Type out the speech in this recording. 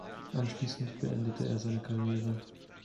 Anschließend beendete er seine Karriere.